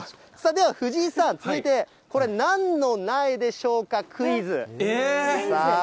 では、藤井さん、続いて、これはなんの苗でしょうか、クイズ。